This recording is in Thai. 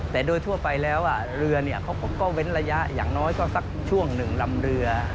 แต่โดยทั่วไปแล้วเรือผมก็เว้นระยะอย่างน้อยก็สักช่วงหนึ่งลำเรือ